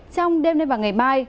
trong đêm nay và ngày mai